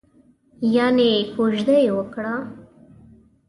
یانې کوژده یې وکړه؟